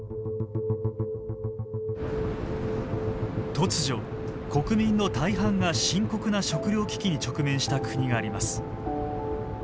突如国民の大半が深刻な食料危機に直面した国があります。